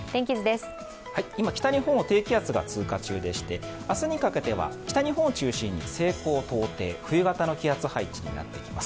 今、北日本を低気圧が通過中でして明日にかけては北日本を中心に西高東低、冬型の気圧配置になっていきます。